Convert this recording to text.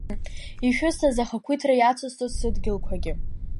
Ишәысҭаз ахақәиҭра иацысҵоит сыдгьылқәагьы.